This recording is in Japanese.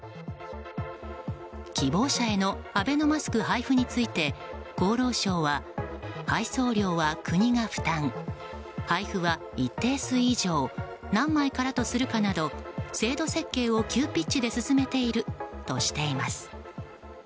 希望者へのアベノマスク配布について厚労省は、配送料は国が負担配布は一定数以上何枚からとするかなど制度設計を急ピッチで進めているとしています。